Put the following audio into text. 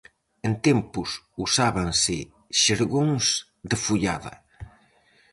En tempos usábanse xergóns de follada.